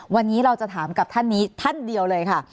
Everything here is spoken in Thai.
วันนี้เราจะถามกับท่านนี้ท่านเดียวเลยค่ะ